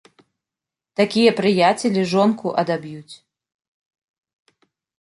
Такія прыяцелі жонку адаб'юць.